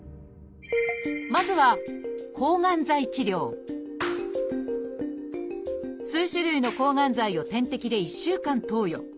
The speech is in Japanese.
まずは数種類の抗がん剤を点滴で１週間投与